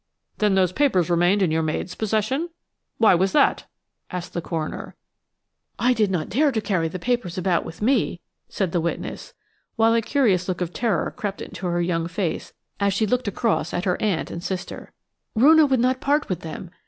"Then those papers remained in your maid's possession? Why was that?" asked the coroner. "I did not dare to carry the papers about with me," said the witness, while a curious look of terror crept into her young face as she looked across at her aunt and sister. "Roonah would not part with them.